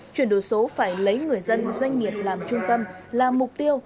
chuyển đổi số phải lấy người dân doanh nghiệp làm trung tâm là mục tiêu